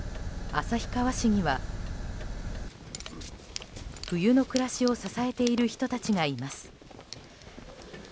旭川市には冬の暮らしを支えている人たちがいます。